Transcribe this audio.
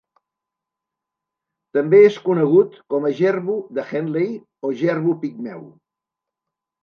També és conegut com a jerbu de Henley o jerbu pigmeu.